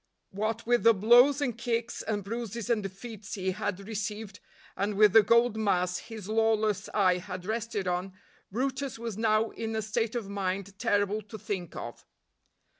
What with the blows and kicks and bruises and defeats he had received, and with the gold mass his lawless eye had rested on, brutus was now in a state of mind terrible to think of.